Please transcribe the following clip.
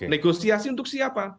negosiasi untuk siapa